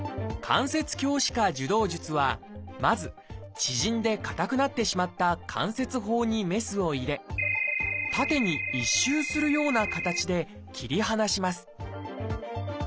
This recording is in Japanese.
「関節鏡視下授動術」はまず縮んで硬くなってしまった関節包にメスを入れ縦に一周するような形で切り離します